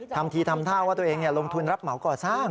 ทำทีทำท่าว่าตัวเองลงทุนรับเหมาก่อสร้าง